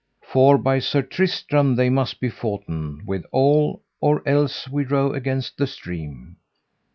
For by Sir Tristram they must be foughten withal, or else we row against the stream.